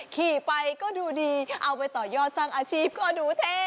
ขี่ไปก็ดูดีเอาไปต่อยอดสร้างอาชีพก็ดูเท่